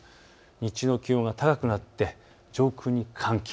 日中の気温が高くなって上空に寒気。